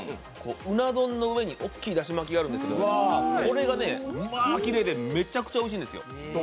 うな丼の上に大きいだし巻きがあるんですけどこれがね、きれいで、めちゃくちゃおいしいんですよ。